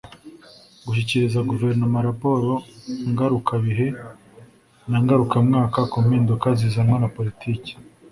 gushyikiriza guverinoma raporo ngarukabihe na ngarukamwaka ku mpinduka zizanwa na politiki